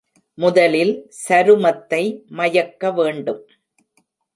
முதலில் சருமத்தை மயக்க வேண்டும்.